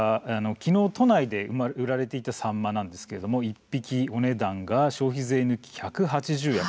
きのう都内で売られていたサンマなんですけれども１匹お値段が消費税抜きで１８０円